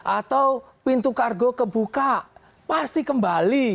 atau pintu kargo kebuka pasti kembali